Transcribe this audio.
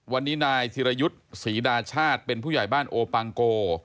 วันนี้นายธิรยุทธ์ศรีดาชาติเป็นผู้ใหญ่บ้านโอปังโก